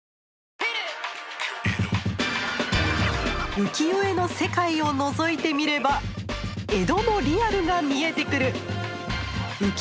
浮世絵の世界をのぞいてみれば江戸のリアルが見えてくる。